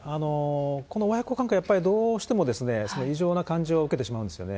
この親子関係、どうしても異常な感情を受けてしまうんですよね。